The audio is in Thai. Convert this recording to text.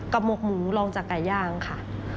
หมกหมูลองจากไก่ย่างค่ะ